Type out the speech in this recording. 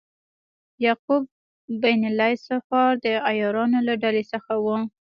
یعقوب بن لیث صفار د عیارانو له ډلې څخه و.